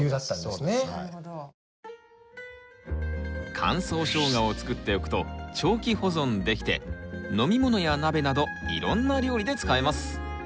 乾燥ショウガを作っておくと長期保存できて飲み物や鍋などいろんな料理で使えます。